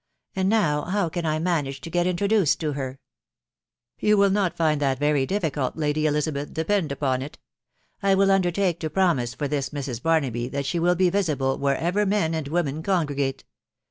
And now, how can I manage to get in troduced to her ?"" You will not find that very difficult, Lady Elizabeth, depend upon it. .,. I will undertake to promise for this Mrs. Barnaby, that she will be visible wherever men and women congregate.